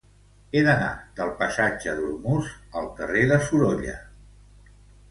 He d'anar del passatge d'Ormuz al carrer de Sorolla.